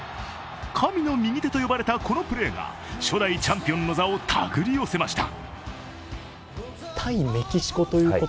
神の右手と呼ばれたこのプレーが初代チャンピオンの座をたぐり寄せました。